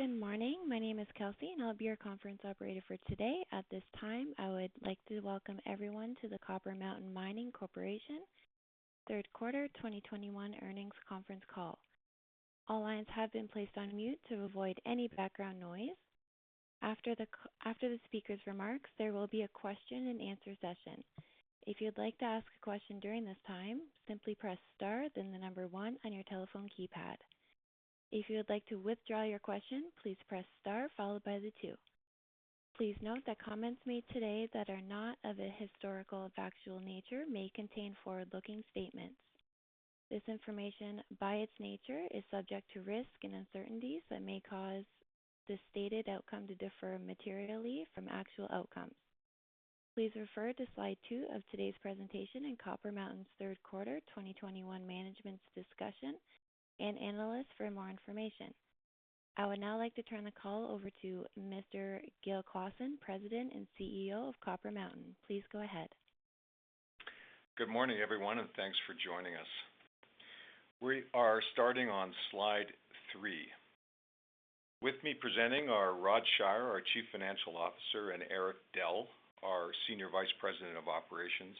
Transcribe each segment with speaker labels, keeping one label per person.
Speaker 1: Good morning. My name is Kelsey, and I'll be your conference operator for today. At this time, I would like to welcome everyone to the Copper Mountain Mining Corporation third quarter 2021 earnings conference call. All lines have been placed on mute to avoid any background noise. After the speaker's remarks, there will be a question-and-answer session. If you'd like to ask a question during this time, simply press star then the number 1 on your telephone keypad. If you would like to withdraw your question, please press star followed by the 2. Please note that comments made today that are not of a historical or factual nature may contain forward-looking statements. This information, by its nature, is subject to risks and uncertainties that may cause the stated outcome to differ materially from actual outcomes. Please refer to slide 2 of today's presentation in Copper Mountain's third quarter 2021 management's discussion and analysis for more information. I would now like to turn the call over to Mr. Gil Clausen, President and CEO of Copper Mountain. Please go ahead.
Speaker 2: Good morning, everyone, and thanks for joining us. We are starting on slide 3. With me presenting are Rodney Shier, our Chief Financial Officer, and Eric Dell, our Senior Vice President of Operations.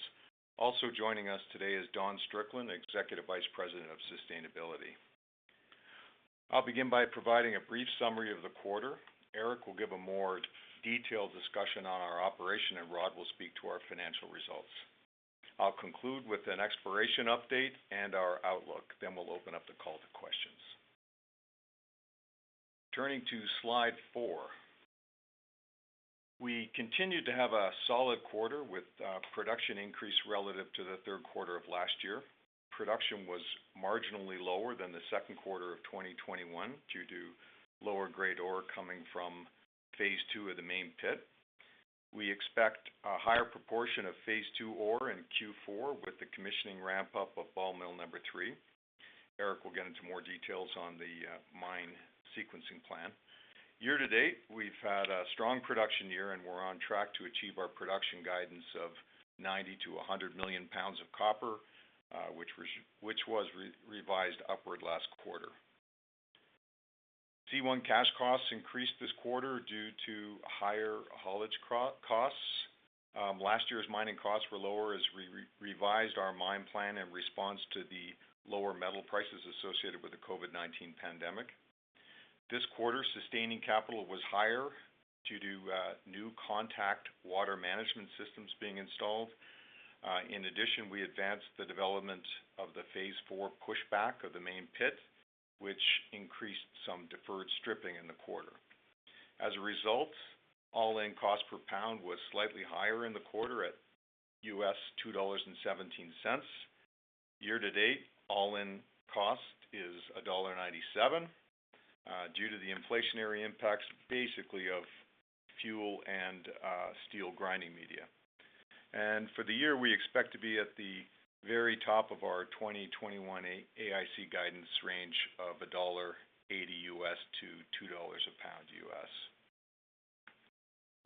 Speaker 2: Also joining us today is Don Strickland, Executive Vice President of Sustainability. I'll begin by providing a brief summary of the quarter. Eric will give a more detailed discussion on our operation, and Rod will speak to our financial results. I'll conclude with an exploration update and our outlook. Then we'll open up the call to questions. Turning to slide 4. We continued to have a solid quarter with production increase relative to the third quarter of last year. Production was marginally lower than the second quarter of 2021 due to lower-grade ore coming from Phase Two of the main pit. We expect a higher proportion of Phase Two ore in Q4 with the commissioning ramp up of Ball Mill 3. Eric will get into more details on the mine sequencing plan. Year to date, we've had a strong production year, and we're on track to achieve our production guidance of 90-100 million pounds of copper, which was revised upward last quarter. C1 cash cost increased this quarter due to higher haulage costs. Last year's mining costs were lower as we revised our mine plan in response to the lower metal prices associated with the COVID-19 pandemic. This quarter, sustaining capital was higher due to new contact water management systems being installed. In addition, we advanced the development of the Phase Four pushback of the main pit, which increased some deferred stripping in the quarter. As a result, all-in cost per pound was slightly higher in the quarter at $2.17. Year to date, all-in cost is $1.97 due to the inflationary impacts basically of fuel and steel grinding media. For the year, we expect to be at the very top of our 2021 AISC guidance range of $1.80-$2.00 per pound.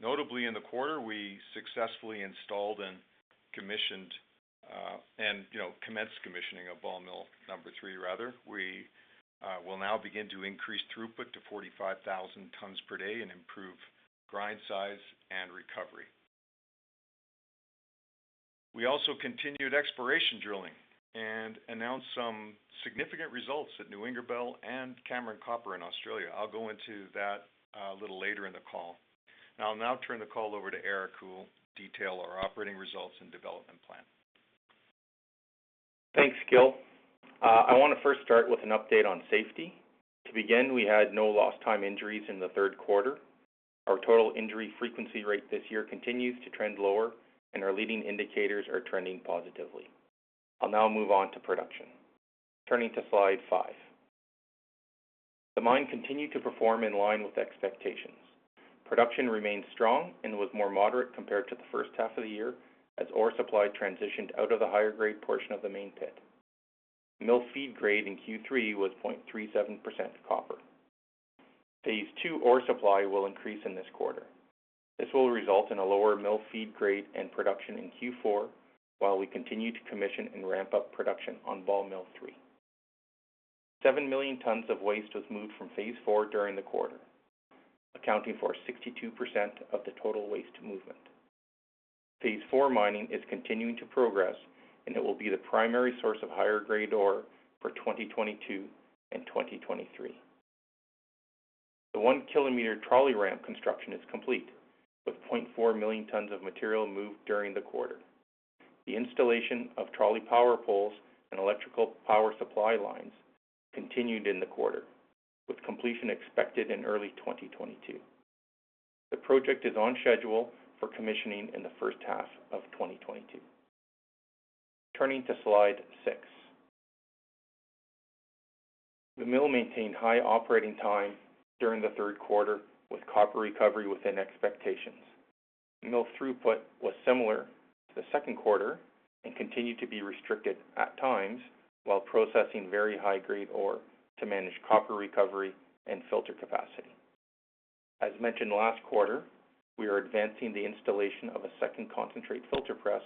Speaker 2: Notably in the quarter, we successfully installed and commissioned and commenced commissioning of Ball Mill 3. We will now begin to increase throughput to 45,000 tons per day and improve grind size and recovery. We also continued exploration drilling and announced some significant results at New Ingerbelle and Cameron Copper in Australia. I'll go into that a little later in the call. I'll now turn the call over to Eric who will detail our operating results and development plan.
Speaker 3: Thanks, Gil. I wanna first start with an update on safety. To begin, we had no lost time injuries in the third quarter. Our Total Injury Frequency Rate this year continues to trend lower, and our leading indicators are trending positively. I'll now move on to production. Turning to slide 5. The mine continued to perform in line with expectations. Production remained strong and was more moderate compared to the first half of the year as ore supply transitioned out of the higher grade portion of the main pit. Mill feed grade in Q3 was 0.37% copper. Phase Two ore supply will increase in this quarter. This will result in a lower mill feed grade and production in Q4 while we continue to commission and ramp up production on Ball Mill 3. 7 million tons of waste was moved from Phase Four during the quarter, accounting for 62% of the total waste movement. Phase Four mining is continuing to progress, and it will be the primary source of higher grade ore for 2022 and 2023. The 1-kilometer trolley ramp construction is complete, with 0.4 million tons of material moved during the quarter. The installation of trolley power poles and electrical power supply lines continued in the quarter, with completion expected in early 2022. The project is on schedule for commissioning in the first half of 2022. Turning to slide 6. The mill maintained high operating time during the third quarter with copper recovery within expectations. Mill throughput was similar to the second quarter and continued to be restricted at times while processing very high-grade ore to manage copper recovery and filter capacity. As mentioned last quarter, we are advancing the installation of a second concentrate filter press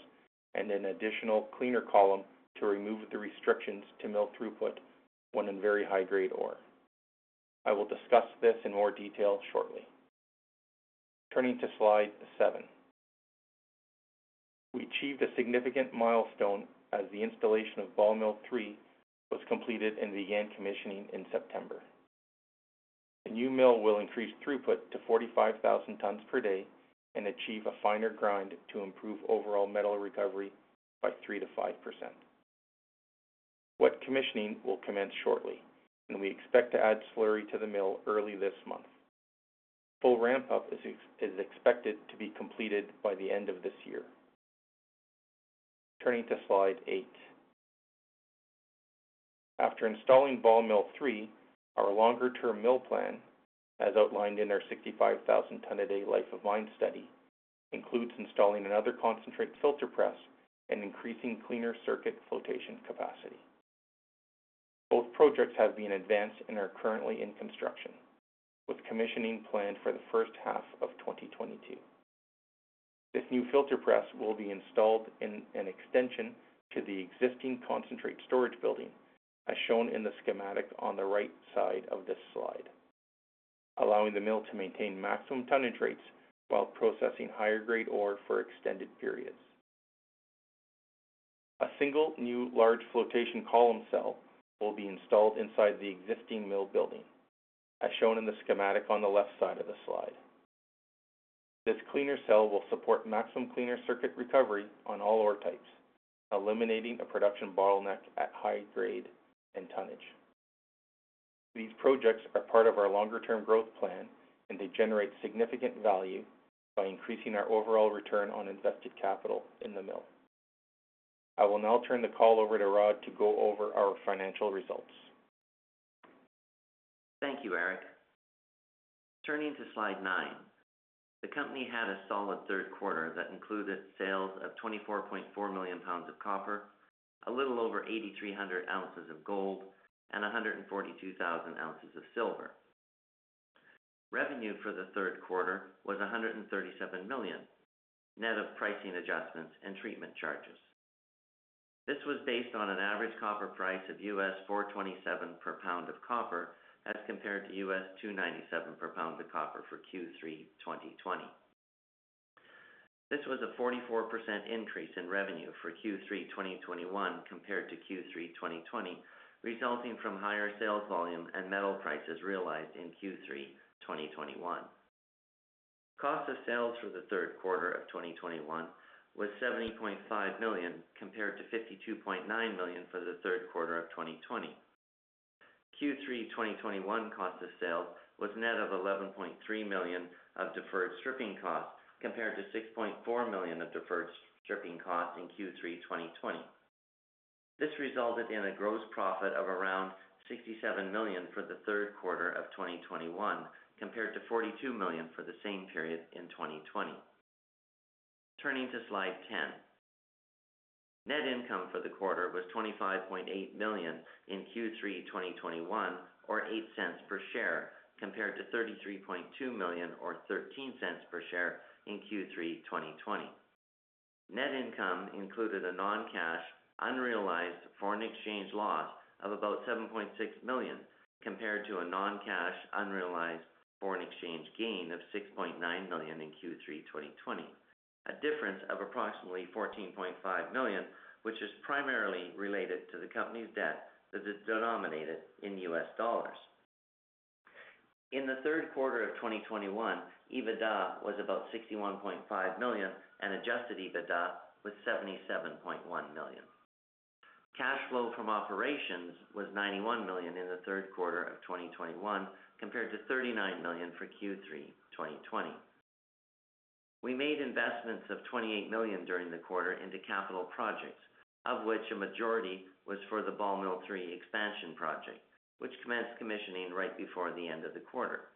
Speaker 3: and an additional cleaner column to remove the restrictions to mill throughput when in very high-grade ore. I will discuss this in more detail shortly. Turning to slide 7. We achieved a significant milestone as the installation of Ball Mill 3 was completed and began commissioning in September. The new mill will increase throughput to 45,000 tons per day and achieve a finer grind to improve overall metal recovery by 3%-5%. Wet commissioning will commence shortly, and we expect to add slurry to the mill early this month. Full ramp up is expected to be completed by the end of this year. Turning to slide 8. After installing Ball Mill 3, our longer term mill plan, as outlined in our 65,000 ton a day life of mine study, includes installing another concentrate filter press and increasing cleaner circuit flotation capacity. Both projects have been advanced and are currently in construction, with commissioning planned for the first half of 2022. This new filter press will be installed in an extension to the existing concentrate storage building, as shown in the schematic on the right side of this slide, allowing the mill to maintain maximum tonnage rates while processing higher grade ore for extended periods. A single new large flotation column cell will be installed inside the existing mill building, as shown in the schematic on the left side of the slide. This cleaner cell will support maximum cleaner circuit recovery on all ore types, eliminating a production bottleneck at high grade and tonnage. These projects are part of our longer term growth plan, and they generate significant value by increasing our overall return on invested capital in the mill. I will now turn the call over to Rod to go over our financial results.
Speaker 4: Thank you, Eric. Turning to slide 9. The company had a solid third quarter that included sales of 24.4 million pounds of copper, a little over 8,300 ounces of gold, and 142,000 ounces of silver. Revenue for the third quarter was $137 million, net of pricing adjustments and treatment charges. This was based on an average copper price of $4.27 per pound of copper as compared to $2.97 per pound of copper for Q3 2020. This was a 44% increase in revenue for Q3 2021 compared to Q3 2020, resulting from higher sales volume and metal prices realized in Q3 2021. Cost of sales for the third quarter of 2021 was $70.5 million, compared to $52.9 million for the third quarter of 2020. Q3 2021 cost of sales was net of 11.3 million of deferred stripping costs, compared to 6.4 million of deferred stripping costs in Q3 2020. This resulted in a gross profit of around CAD 67 million for the third quarter of 2021, compared to CAD 42 million for the same period in 2020. Turning to slide 10. Net income for the quarter was CAD 25.8 million in Q3 2021 or 0.08 per share, compared to CAD 33.2 million or 0.13 per share in Q3 2020. Net income included a non-cash unrealized foreign exchange loss of about 7.6 million, compared to a non-cash unrealized foreign exchange gain of 6.9 million in Q3 2020. A difference of approximately 14.5 million, which is primarily related to the company's debt that is denominated in U.S. dollars. In the third quarter of 2021, EBITDA was about 61.5 million, and adjusted EBITDA was 77.1 million. Cash flow from operations was 91 million in the third quarter of 2021, compared to 39 million for Q3 2020. We made investments of 28 million during the quarter into capital projects, of which a majority was for the Ball Mill Three expansion project, which commenced commissioning right before the end of the quarter.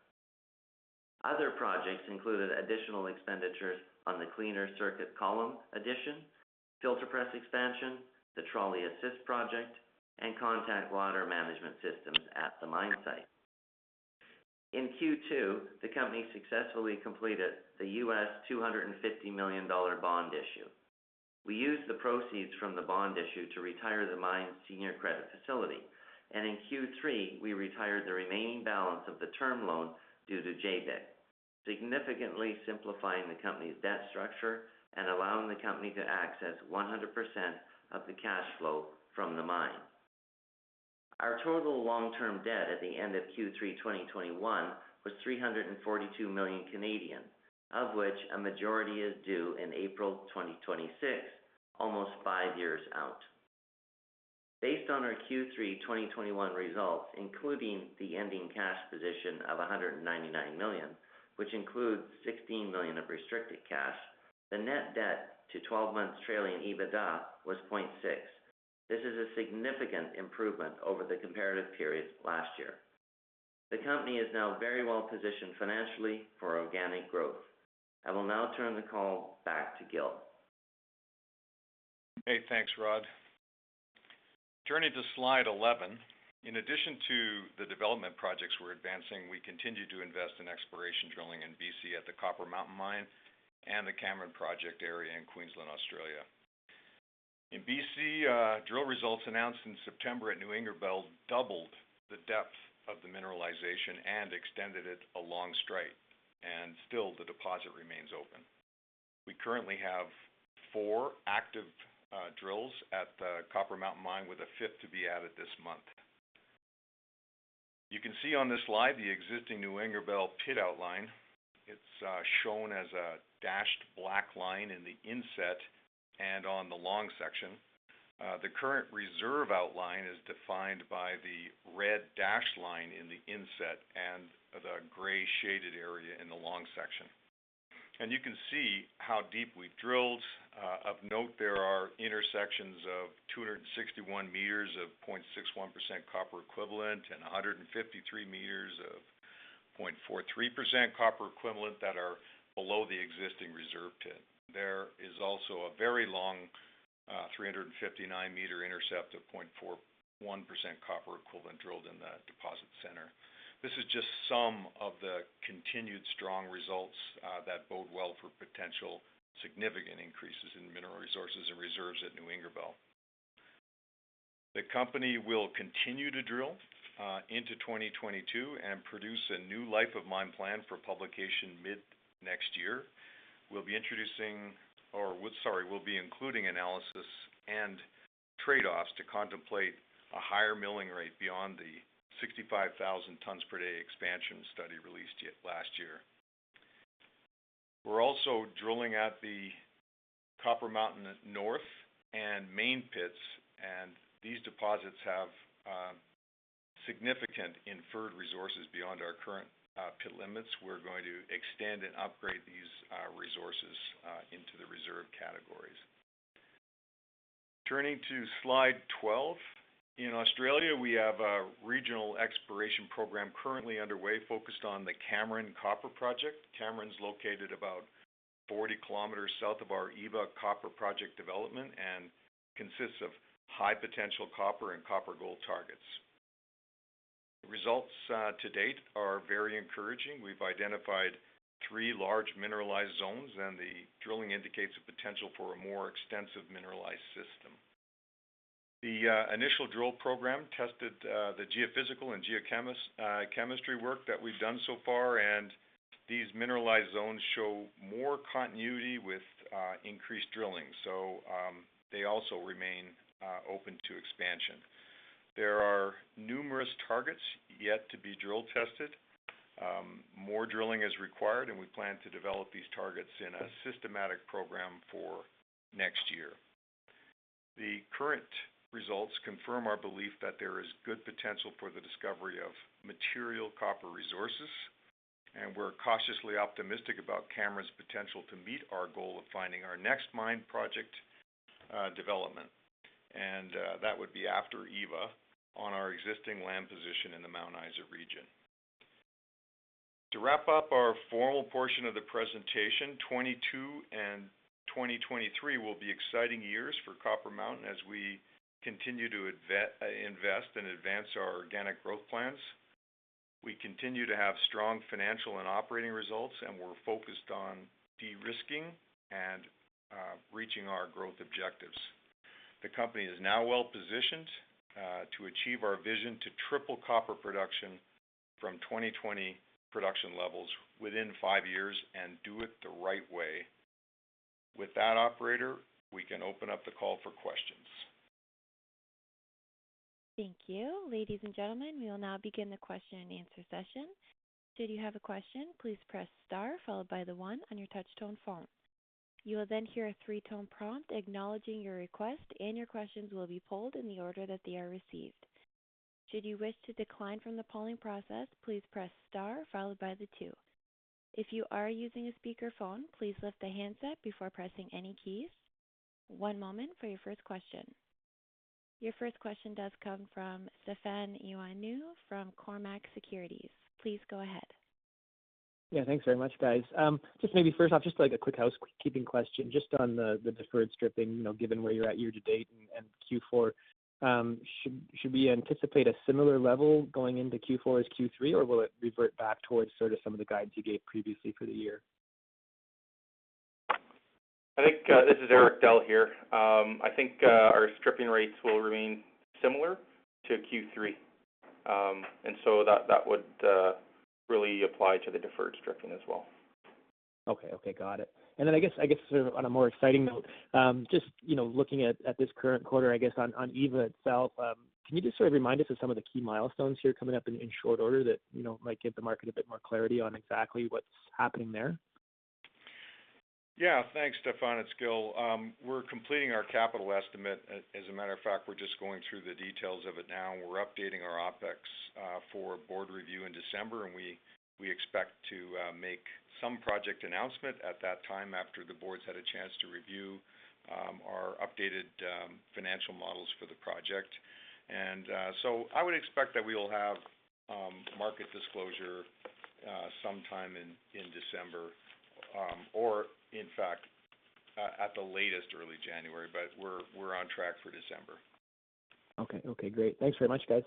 Speaker 4: Other projects included additional expenditures on the cleaner circuit column addition, filter press expansion, the trolley assist project, and contact water management systems at the mine site. In Q2, the company successfully completed the $250 million bond issue. We used the proceeds from the bond issue to retire the mine senior credit facility, and in Q3, we retired the remaining balance of the term loan due to JBIC, significantly simplifying the company's debt structure and allowing the company to access 100% of the cash flow from the mine. Our total long-term debt at the end of Q3 2021 was 342 million, of which a majority is due in April 2026, almost five years out. Based on our Q3 2021 results, including the ending cash position of 199 million, which includes 16 million of restricted cash, the net debt to 12 months trailing EBITDA was 0.6. This is a significant improvement over the comparative period last year. The company is now very well positioned financially for organic growth. I will now turn the call back to Gil.
Speaker 2: Hey, thanks, Rod. Turning to slide 11. In addition to the development projects we're advancing, we continue to invest in exploration drilling in BC at the Copper Mountain Mine and the Cameron project area in Queensland, Australia. In BC, drill results announced in September at New Ingerbelle doubled the depth of the mineralization and extended it along strike, and still the deposit remains open. We currently have four active drills at the Copper Mountain Mine, with a fifth to be added this month. You can see on this slide the existing New Ingerbelle pit outline. It's shown as a dashed black line in the inset and on the long section. The current reserve outline is defined by the red dashed line in the inset and the gray shaded area in the long section. You can see how deep we've drilled. Of note, there are intersections of 261 meters of 0.61% copper equivalent, and 153 meters of 0.43% copper equivalent that are below the existing reserve pit. There is also a very long, 359-meter intercept of 0.41% copper equivalent drilled in the deposit center. This is just some of the continued strong results that bode well for potential significant increases in mineral resources and reserves at New Ingerbelle. The company will continue to drill into 2022 and produce a new life of mine plan for publication mid next year. We'll be including analysis and trade-offs to contemplate a higher milling rate beyond the 65,000 tons per day expansion study released last year. We're also drilling at the Copper Mountain North and main pits, and these deposits have significant inferred resources beyond our current pit limits. We're going to extend and upgrade these resources into the reserve categories. Turning to slide 12. In Australia, we have a regional exploration program currently underway focused on the Cameron Copper Project. Cameron's located about 40 kilometers south of our Eva Copper Project development and consists of high potential copper and copper gold targets. Results to date are very encouraging. We've identified 3 large mineralized zones, and the drilling indicates the potential for a more extensive mineralized system. The initial drill program tested the geophysical and geochemistry work that we've done so far, and these mineralized zones show more continuity with increased drilling, so they also remain open to expansion. There are numerous targets yet to be drill tested. More drilling is required, and we plan to develop these targets in a systematic program for next year. The current results confirm our belief that there is good potential for the discovery of material copper resources, and we're cautiously optimistic about Cameron's potential to meet our goal of finding our next mine project, development. That would be after Eva on our existing land position in the Mount Isa region. To wrap up our formal portion of the presentation, 2022 and 2023 will be exciting years for Copper Mountain as we continue to invest and advance our organic growth plans. We continue to have strong financial and operating results, and we're focused on de-risking and reaching our growth objectives. The company is now well positioned to achieve our vision to triple copper production from 2020 production levels within five years and do it the right way. With that, operator, we can open up the call for questions.
Speaker 1: Thank you. Ladies and gentlemen, we will now begin the question and answer session. Should you have a question, please press star followed by the one on your touch tone phone. You will then hear a three-tone prompt acknowledging your request, and your questions will be polled in the order that they are received. Should you wish to decline from the polling process, please press star followed by the two. If you are using a speakerphone, please lift the handset before pressing any keys. One moment for your first question. Your first question does come from Stefan Ioannou from Cormark Securities. Please go ahead.
Speaker 5: Yeah. Thanks very much, guys. Just maybe first off, just like a quick housekeeping question. Just on the deferred stripping, you know, given where you're at year to date and Q4, should we anticipate a similar level going into Q4 as Q3? Or will it revert back towards sort of some of the guides you gave previously for the year?
Speaker 3: I think this is Eric Dell here. I think our stripping rates will remain similar to Q3. That would really apply to the deferred stripping as well.
Speaker 5: Okay. Got it. I guess sort of on a more exciting note, just you know looking at this current quarter, I guess on Eva itself, can you just sort of remind us of some of the key milestones here coming up in short order that you know might give the market a bit more clarity on exactly what's happening there?
Speaker 2: Yeah. Thanks, Stefan. It's Gil. We're completing our capital estimate. As a matter of fact, we're just going through the details of it now, and we're updating our OPEX for board review in December, and we expect to make some project announcement at that time after the board's had a chance to review our updated financial models for the project. I would expect that we will have market disclosure sometime in December, or in fact, at the latest, early January, but we're on track for December.
Speaker 5: Okay. Okay, great. Thanks very much, guys.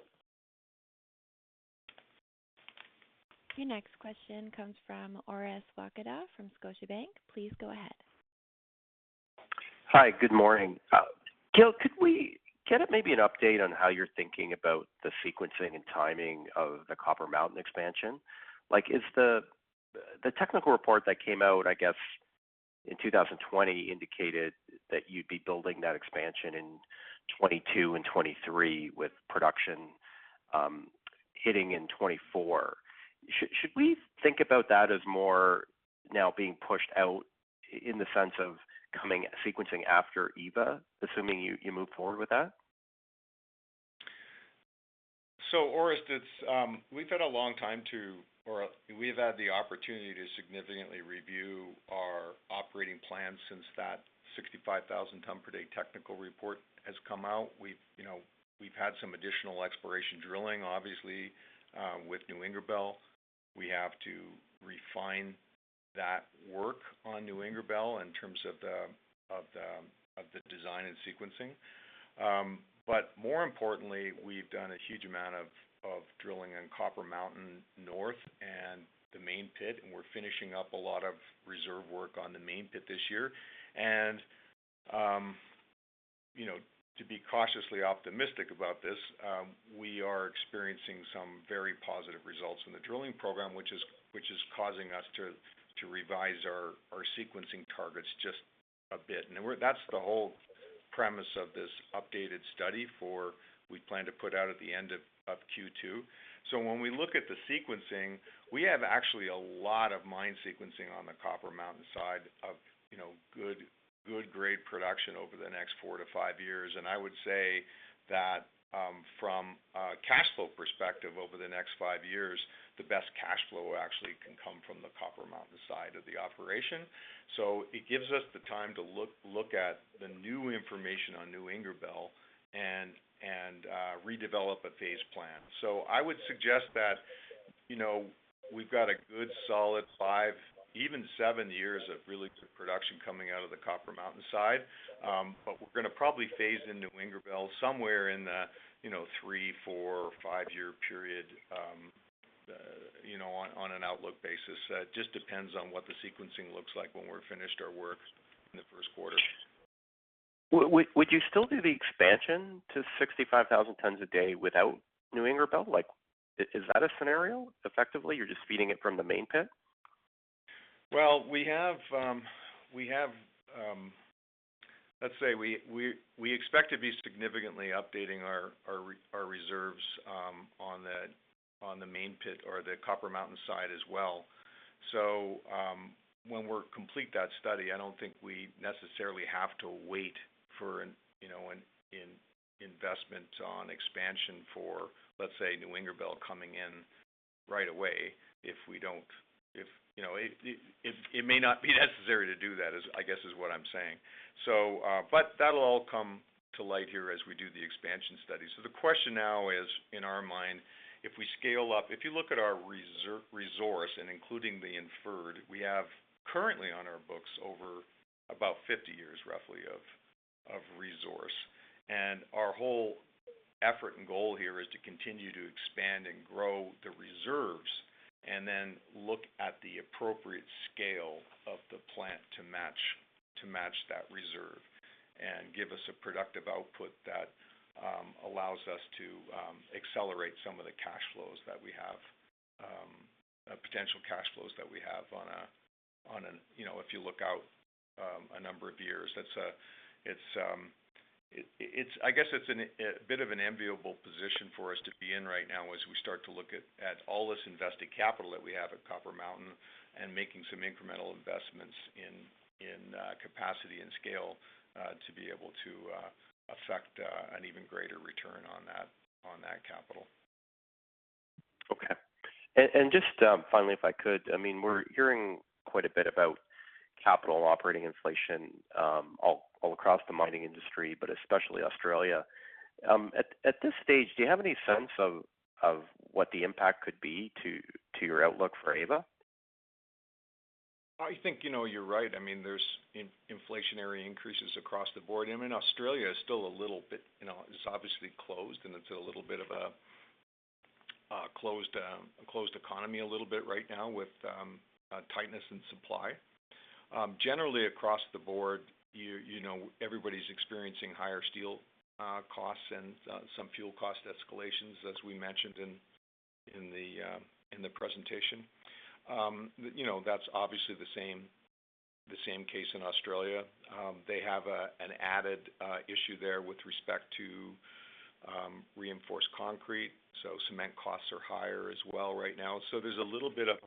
Speaker 1: Your next question comes from Orest Wowkodaw from Scotiabank. Please go ahead.
Speaker 6: Hi, good morning. Gil, can we maybe get an update on how you're thinking about the sequencing and timing of the Copper Mountain expansion? Like, is the technical report that came out, I guess, in 2020 indicated that you'd be building that expansion in 2022 and 2023 with production hitting in 2024? Should we think about that as more now being pushed out in the sense of coming sequencing after Eva, assuming you move forward with that?
Speaker 2: Orest, it's. We've had the opportunity to significantly review our operating plan since that 65,000 ton per day technical report has come out. We've, you know, we've had some additional exploration drilling, obviously, with New Ingerbelle. We have to refine that work on New Ingerbelle in terms of the design and sequencing. More importantly, we've done a huge amount of drilling in Copper Mountain North and the main pit, and we're finishing up a lot of reserve work on the main pit this year. You know, to be cautiously optimistic about this, we are experiencing some very positive results in the drilling program, which is causing us to revise our sequencing targets just a bit. That's the whole premise of this updated study we plan to put out at the end of Q2. When we look at the sequencing, we have actually a lot of mine sequencing on the Copper Mountain side of, you know, good grade production over the next 4-5 years. I would say that from a cash flow perspective over the next 5 years, the best cash flow actually can come from the Copper Mountain side of the operation. It gives us the time to look at the new information on New Ingerbelle and redevelop a phase plan. I would suggest that, you know, we've got a good solid 5, even 7 years of really good production coming out of the Copper Mountain side. We're gonna probably phase into Ingerbelle somewhere in the 3, 4, 5-year period, you know, on an outlook basis. It just depends on what the sequencing looks like when we're finished our work in the first quarter.
Speaker 6: Would you still do the expansion to 65,000 tons a day without New Ingerbelle? Like, is that a scenario? Effectively, you're just feeding it from the main pit?
Speaker 2: Well, let's say we expect to be significantly updating our reserves on the main pit or the Copper Mountain side as well. When we complete that study, I don't think we necessarily have to wait for an investment in expansion for, let's say, New Ingerbelle coming in right away if we don't. You know, it may not be necessary to do that, I guess, is what I'm saying. But that'll all come to light here as we do the expansion study. The question now is, in our mind, if we scale up. If you look at our resource including the inferred, we have currently on our books over about 50 years, roughly, of resource. Our whole effort and goal here is to continue to expand and grow the reserves and then look at the appropriate scale of the plant to match that reserve and give us a productive output that allows us to accelerate some of the potential cash flows that we have, you know, if you look out a number of years. That's it. It's a bit of an enviable position for us to be in right now as we start to look at all this invested capital that we have at Copper Mountain and making some incremental investments in capacity and scale to be able to affect an even greater return on that capital.
Speaker 6: Okay. Just finally, if I could, I mean, we're hearing quite a bit about capital and operating inflation, all across the mining industry, but especially Australia. At this stage, do you have any sense of what the impact could be to your outlook for Eva?
Speaker 2: I think, you know, you're right. I mean, there's inflationary increases across the board. I mean, Australia is still a little bit, you know, it's obviously closed, and it's a little bit of a closed economy a little bit right now with tightness in supply. Generally across the board, you know, everybody's experiencing higher steel costs and some fuel cost escalations, as we mentioned in the presentation. You know, that's obviously the same case in Australia. They have an added issue there with respect to reinforced concrete, so cement costs are higher as well right now. There's a little bit of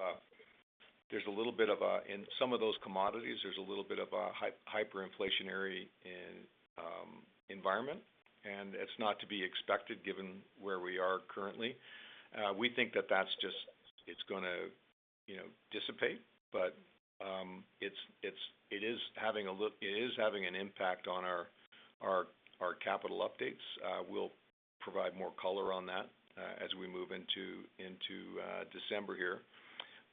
Speaker 2: In some of those commodities, there's a little bit of a hyperinflationary environment, and it's not to be expected given where we are currently. We think that that's just gonna, you know, dissipate. It's having an impact on our capital updates. We'll provide more color on that as we move into December here.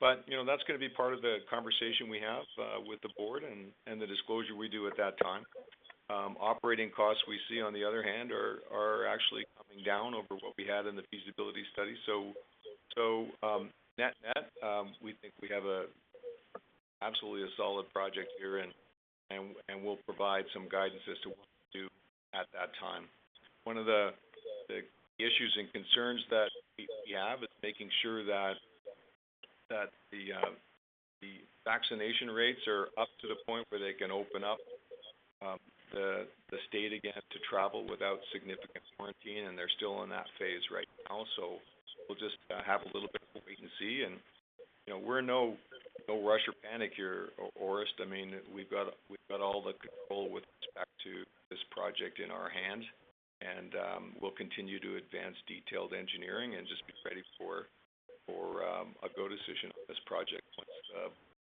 Speaker 2: You know, that's gonna be part of the conversation we have with the board and the disclosure we do at that time. Operating costs we see on the other hand are actually coming down over what we had in the feasibility study. Net net, we think we have absolutely a solid project here and we'll provide some guidance as to what to do at that time. One of the issues and concerns that we have is making sure that the vaccination rates are up to the point where they can open up the state again to travel without significant quarantine, and they're still in that phase right now. We'll just have a little bit of wait and see. You know, we're in no rush or panic here, Orest. I mean, we've got all the control with respect to this project in our hand, and we'll continue to advance detailed engineering and just be ready for a go decision on this project once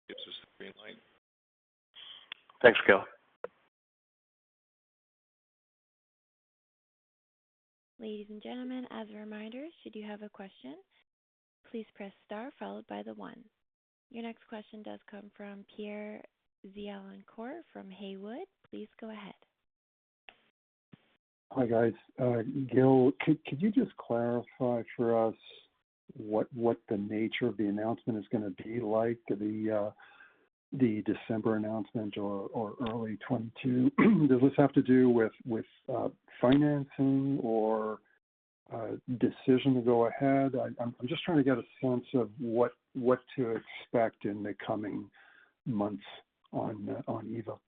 Speaker 2: gives us the green light.
Speaker 6: Thanks, Gil.
Speaker 1: Ladies and gentlemen, as a reminder, should you have a question, please press star followed by the one. Your next question does come from Pierre Vaillancourt from Haywood. Please go ahead.
Speaker 7: Hi, guys. Gil, could you just clarify for us what the nature of the announcement is gonna be like, the December announcement or early 2022? Does this have to do with financing or decision to go ahead? I'm just trying to get a sense of what to expect in the coming months on Eva.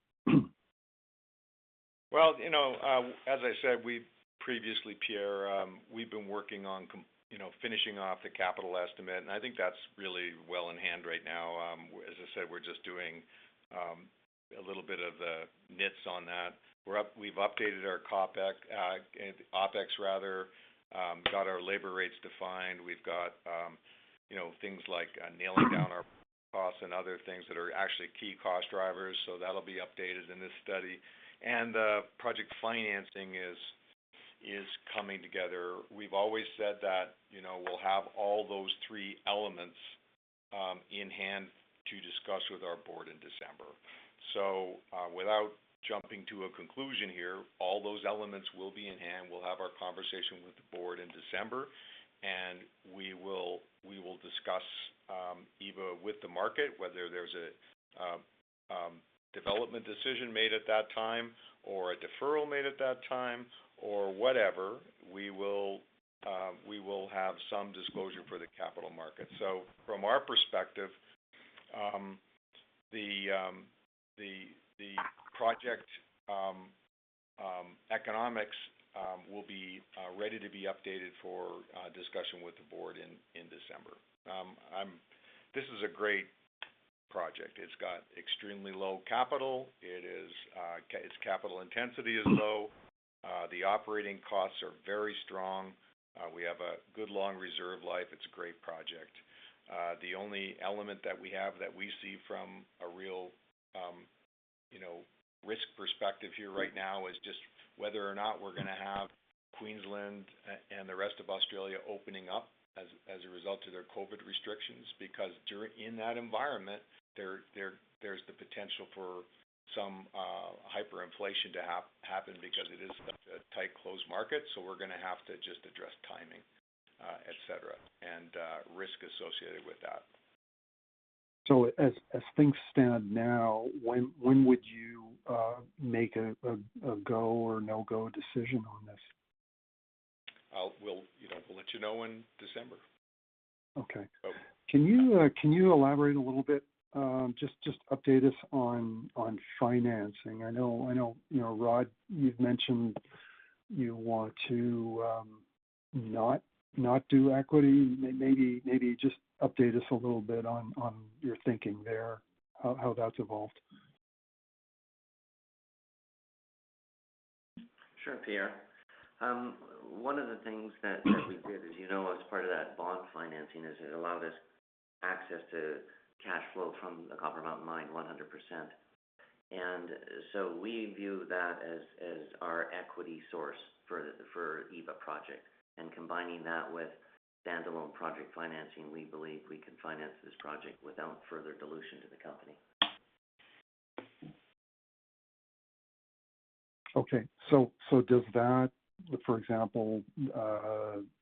Speaker 2: Well, you know, as I said, we previously, Pierre, we've been working on finishing off the capital estimate, and I think that's really well in hand right now. As I said, we're just doing a little bit of the nits on that. We've updated our CapEx and OPEX rather, got our labor rates defined. We've got, you know, things like nailing down our costs and other things that are actually key cost drivers. That'll be updated in this study. The project financing is coming together. We've always said that, you know, we'll have all those three elements in hand to discuss with our board in December. Without jumping to a conclusion here, all those elements will be in hand. We'll have our conversation with the board in December, and we will discuss Eva with the market, whether there's a development decision made at that time or a deferral made at that time or whatever, we will have some disclosure for the capital market. From our perspective, the project economics will be ready to be updated for discussion with the board in December. This is a great project. It's got extremely low capital. It is, its capital intensity is low. The operating costs are very strong. We have a good long reserve life. It's a great project. The only element that we have that we see from a real, you know, risk perspective here right now is just whether or not we're gonna have Queensland and the rest of Australia opening up as a result of their COVID restrictions. Because in that environment, there's the potential for some hyperinflation to happen because it is a tight closed market, so we're gonna have to just address timing, et cetera, and risk associated with that.
Speaker 7: As things stand now, when would you make a go or no-go decision on this?
Speaker 2: We'll, you know, we'll let you know in December.
Speaker 7: Okay.
Speaker 2: Okay.
Speaker 7: Can you elaborate a little bit, just update us on financing? I know, you know, Rod, you've mentioned you want to not do equity. Maybe just update us a little bit on your thinking there, how that's evolved.
Speaker 4: Sure, Pierre. One of the things that we did, as you know, as part of that bond financing, it allowed us access to cash flow from the Copper Mountain Mine 100%. We view that as our equity source for the Eva project. Combining that with standalone project financing, we believe we can finance this project without further dilution to the company.
Speaker 7: Does that, for example,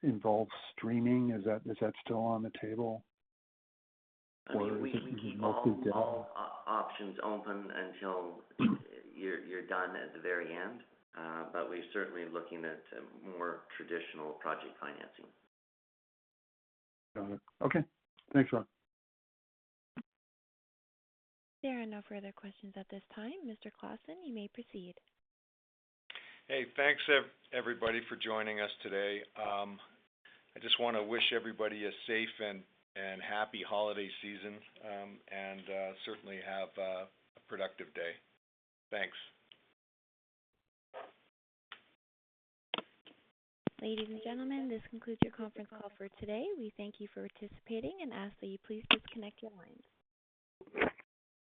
Speaker 7: involve streaming? Is that still on the table? Or is it mostly debt?
Speaker 4: We keep all options open until you're done at the very end. We're certainly looking at more traditional project financing.
Speaker 7: Got it. Okay. Thanks, Rod.
Speaker 1: There are no further questions at this time. Mr. Clausen, you may proceed.
Speaker 2: Hey, thanks everybody for joining us today. I just wanna wish everybody a safe and happy holiday season, and certainly have a productive day. Thanks.
Speaker 1: Ladies and gentlemen, this concludes your conference call for today. We thank you for participating and ask that you please disconnect your lines.